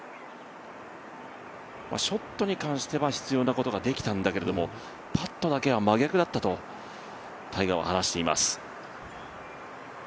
ショットに関しては必要なことができたんだけれども、パットだけは真逆だったとタイガーは話しています。